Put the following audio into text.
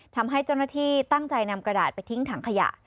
ทำให้เจ้าหน้าที่ตั้งใจนำกระดาษไปทิ้งถังขยะ